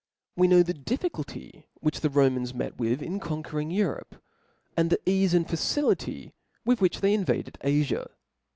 We )cnow the difficulty which the Romans met with in conquering Europe, and the eafe and facility with which they invaded Afia.